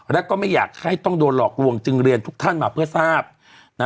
แล้วก็ไม่อยากให้ต้องโดนหลอกลวงจึงเรียนทุกท่านมาเพื่อทราบนะ